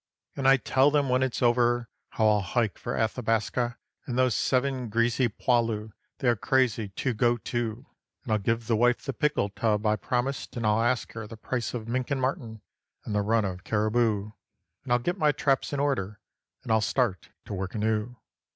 And I tell them when it's over how I'll hike for Athabaska; And those seven greasy 'poilus' they are crazy to go too. And I'll give the wife the "pickle tub" I promised, and I'll ask her The price of mink and marten, and the run of cariboo, And I'll get my traps in order, and I'll start to work anew.